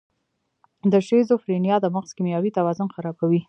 د شیزوفرینیا د مغز کیمیاوي توازن خرابوي.